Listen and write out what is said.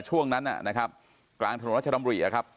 ช่วงนั้นน่ะนะครับกลางถนนราชดำบุรีอ่ะครับ